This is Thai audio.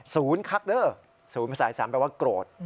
สูญคักเด้อสูญภาษาอัน๓แปลว่าโกรธ